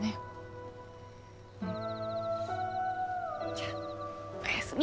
じゃあおやすみ。